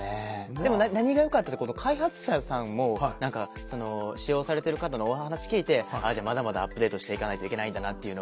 でも何がよかったってこの開発者さんも使用されている方のお話聞いてまだまだアップデートしていかないといけないんだなっていうのを。